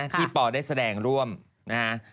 ที่ป่อได้แสดงร่วมนะ